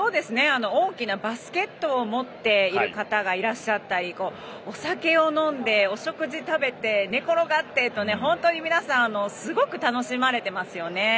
大きなバスケットを持っている方がいらっしゃったりお酒を飲んで、お食事を食べて寝転がってと本当に皆さんすごく楽しまれてますよね。